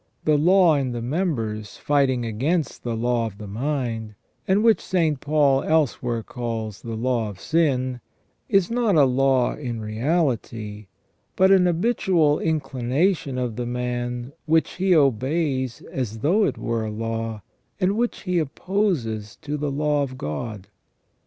The law in the members fighting against the law of the mind, and which St. Paul elsewhere calls the law of sin, is not a law in reality, but an habitual inclination of the man, which he obeys as though it were a law, and which he opposes to the law of God.